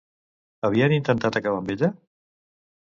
Havien intentat acabar amb ella?